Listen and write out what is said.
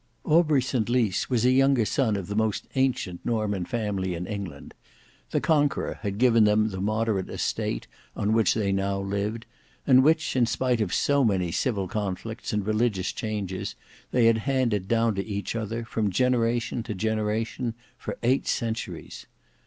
Aubrey St Lys was a younger son of the most ancient Norman family in England. The Conqueror had given them the moderate estate on which they now lived, and which, in spite of so many civil conflicts and religious changes, they had handed down to each other, from generation to generation, for eight centuries.